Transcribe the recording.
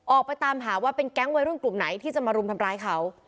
ออกไปตามหาว่าเป็นแก๊งวัยรุ่นกลุ่มไหนที่จะมารุมทำร้ายเขา